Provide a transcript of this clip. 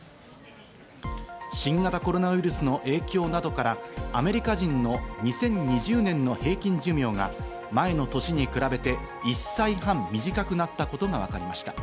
新型コロナウイルスの影響などからアメリカ人の２０２０年の平均寿命が前の年に比べて１歳半短くなったことがわかりました。